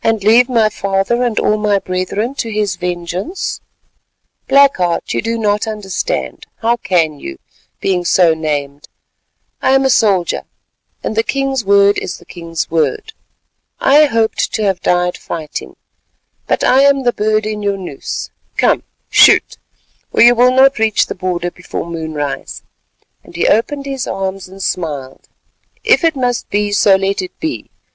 "And leave my father and all my brethren to his vengeance? Black Heart, you do not understand. How can you, being so named? I am a soldier, and the king's word is the king's word. I hoped to have died fighting, but I am the bird in your noose. Come, shoot, or you will not reach the border before moonrise," and he opened his arms and smiled. "If it must be, so let it be.